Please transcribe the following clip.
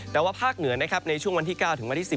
แต่ว่าภาคเหนือนะครับในช่วงวันที่๙ถึงวันที่๑๐